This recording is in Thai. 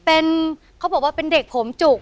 เป็นเขาบอกว่าเป็นเด็กผมจุก